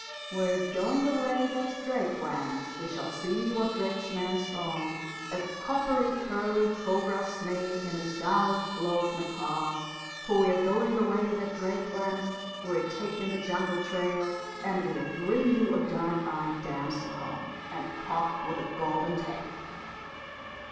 We're going the way that Drake went, We shall see what Drake's men saw, A coppery curly cobra snake, And a scarlet cloaked macaw. For we're going the way that Drake went, We're taking the jungle trail, And we'll bring you a dark eyed damsel home, And a cock with a golden tail.